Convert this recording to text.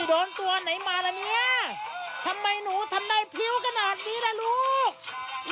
นี่โดนตัวไหนมาแล้วเนี้ยทำไมหนูทำได้ผิวกระดาษนี้ละลูก